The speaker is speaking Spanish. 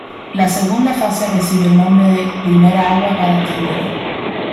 La segunda fase recibió el nombre de "Primera agua para Trípoli".